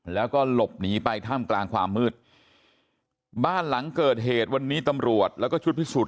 แล้วก็หลบหนีไปท่ามกลางความมืดบ้านหลังเกิดเหตุวันนี้ตำรวจแล้วก็ชุดพิสูจน